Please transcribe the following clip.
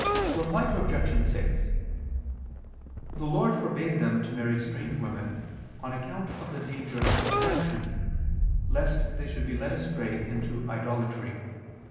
Reply Obj. 6: The Lord forbade them to marry strange women on account of the danger of seduction, lest they should be led astray into idolatry.